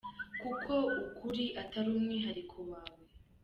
Kuko ukuri atari umwihariko wawe !